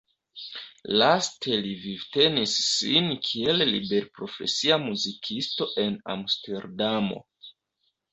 Laste li vivtenis sin kiel liberprofesia muzikisto en Amsterdamo.